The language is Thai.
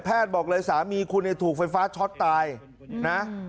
แพทย์บอกเลยสามีคุณเองถูกไฟฟ้าช็อตตายอืมนะฮะ